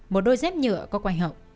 một đôi dép nhựa có quay hậu